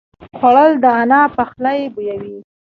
خوړل د انا پخلی بویوي